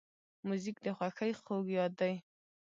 موزیک د خوښۍ خوږ یاد دی.